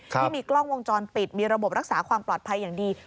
ที่มีกล้องวงจรปิดมีระบบรักษาความปลอดภัยอย่างดี